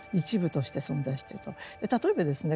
例えばですね